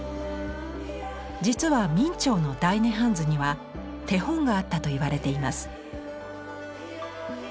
実は明兆の「大涅槃図」には手本があったと言われています。